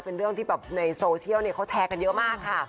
เป็นเรื่องที่แบบในโซเชียลเขาแชร์กันเยอะมากค่ะ